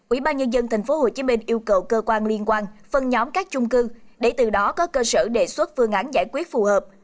ubnd tp hcm yêu cầu cơ quan liên quan phân nhóm các trung cư để từ đó có cơ sở đề xuất phương án giải quyết phù hợp